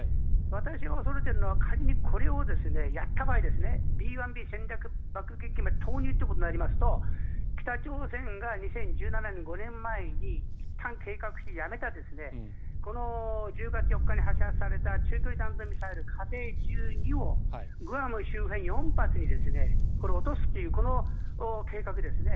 私が恐れているのは仮にこれをやった場合Ｂ１Ｂ戦略爆撃機まで投入ということになりますと北朝鮮が２０１７年、５年前にいったん計画してやめたこの１０月４日に発射された中距離弾道ミサイル、火星１２をグアム周辺に落とすというこの計画ですね。